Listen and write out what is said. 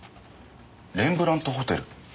レンブラントホテルあっ！？